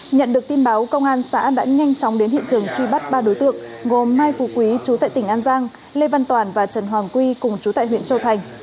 nhận được tin báo công an xã đã nhanh chóng đến hiện trường truy bắt ba đối tượng gồm mai phú quý chú tại tỉnh an giang lê văn toàn và trần hoàng quy cùng chú tại huyện châu thành